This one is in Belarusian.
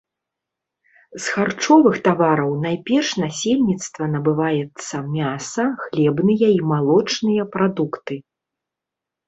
З харчовых тавараў найперш насельніцтва набываецца мяса, хлебныя і малочныя прадукты.